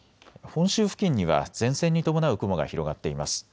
本州付近には前線に伴う雲が広がっています。